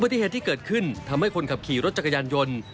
ติเหตุที่เกิดขึ้นทำให้คนขับขี่รถจักรยานยนต์